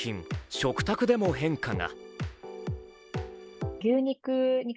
食卓でも変化が。